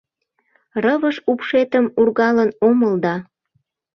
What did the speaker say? Рывыж упшетым ургалын омыл да